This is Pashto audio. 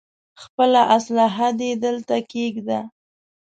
خپله اسلاحه دې دلته کېږده.